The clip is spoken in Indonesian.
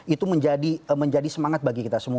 itu menjadi semangat bagi kita semua